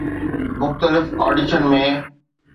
مختلف آڊيشن ۾